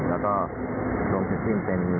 แล้วก็ลงถึง๑หมื่น